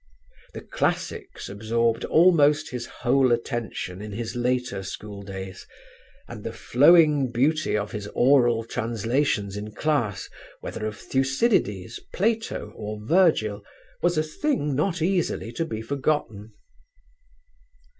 "The classics absorbed almost his whole attention in his later school days, and the flowing beauty of his oral translations in class, whether of Thucydides, Plato or Virgil, was a thing not easily to be forgotten."